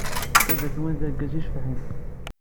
Baba-twen d argaz i icebḥen.